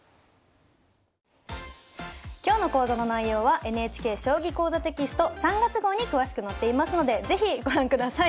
今日の講座の内容はＮＨＫ「将棋講座」テキスト３月号に詳しく載っていますので是非ご覧ください。